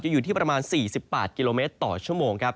จะอยู่ที่ประมาณ๔๐บาทกิโลเมตรต่อชั่วโมง